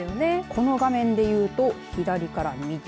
この画面でいうと左から右。